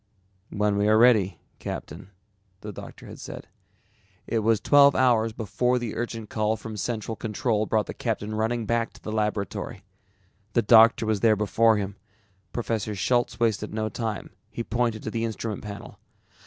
"When we are ready, Captain," the doctor had said. It was twelve hours before the urgent call from Central Control brought the captain running back to the laboratory. The doctor was there before him. Professor Schultz wasted no time, he pointed to the instrument panel.